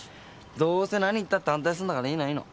どうせ何言ったって反対すんだからいいのいいの。